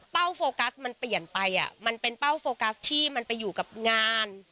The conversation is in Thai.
โฟกัสมันเปลี่ยนไปมันเป็นเป้าโฟกัสที่มันไปอยู่กับงาน